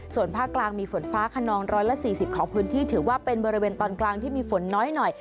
ส่วนภาคกลางมีฝนฟ้าขนอง๑๔๐ของพื้นที่ถือว่าเป็นบริเวณตอนกลางที่มีฝนน้อยหน่อย